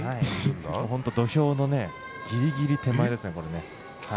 土俵のぎりぎり手前ですね。